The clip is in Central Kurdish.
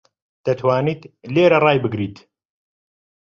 دەتوانیت لێرە ڕای بگریت؟